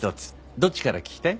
どっちから聞きたい？